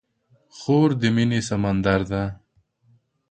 خور د مینې سمندر ده.